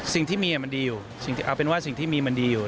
สิ่งที่มีมันดีอยู่เอาเป็นว่าสิ่งที่มีมันดีอยู่